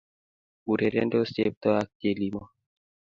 Urerendos Cheptoo ak Chelimo